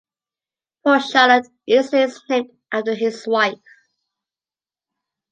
Port Charlotte, Islay is named after his wife.